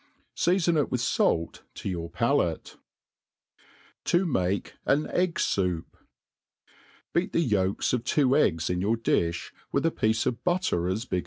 Seafoh it with fait to your palate* To make an Egg Soup. * BEAT the yolks of two eggs in your di(h, with a piece of butter as big.